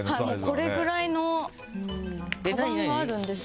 もうこれぐらいのカバンがあるんですけど。